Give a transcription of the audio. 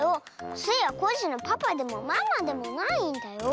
スイはコッシーのパパでもママでもないんだよ！